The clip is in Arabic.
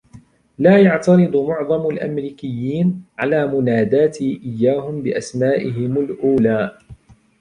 لا يعترض معظم الأمركيين على مناداتي إياهم بأسمائهم الأولى.